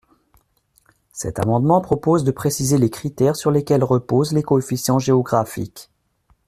Cet amendement propose de préciser les critères sur lesquels reposent les coefficients géographiques.